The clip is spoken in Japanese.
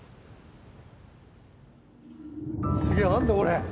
すげえ何だこれ？